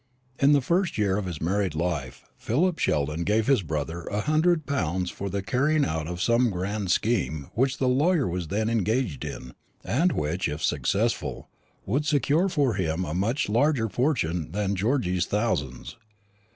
In the first year of his married life Philip Sheldon gave his brother a hundred pounds for the carrying out of some grand scheme which the lawyer was then engaged in, and which, if successful, would secure for him a much larger fortune than Georgy's thousands.